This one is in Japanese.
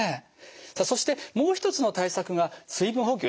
さあそしてもう一つの対策が水分補給ですね。